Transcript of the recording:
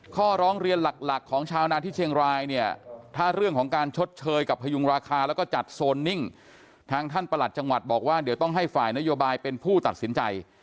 ข้อร้องเรียนหลักหลักของชาวนาที่เชียงรายเนี่ยถ้าเรื่องของการชดเชยกับพยุงราคาแล้วก็จัดโซนนิ่งทางท่านประหลัดจังหวัดบอกว่าเดี๋ยวต้องให้ฝ่ายนโยบายเป็นผู้ตัดสินใจ